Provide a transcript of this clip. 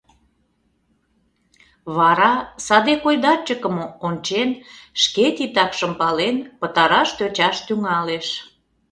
Вара, саде койдарчыкым ончен, шке титакшым пален, пытараш тӧчаш тӱҥалеш.